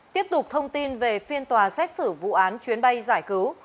tiếp tục thông tin về phiên tòa xét xử vụ án chuyến bay giải cứu